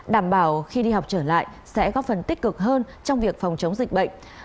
đảm bảo khi đi học trở lại sẽ góp phần tích cực hơn trong việc phòng chống dịch bệnh